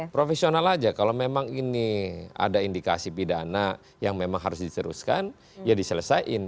profesional aja kalau memang ini ada indikasi pidana yang memang harus diteruskan ya diselesaikan